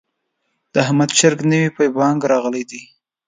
د احمد چرګ نوی په بانګ راغلی دی.